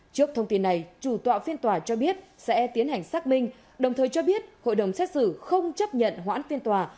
trước thông tin này chủ tọa phiên tòa cho biết sẽ tiến hành xác minh đồng thời cho biết hội đồng xét xử không chấp nhận hoãn phiên tòa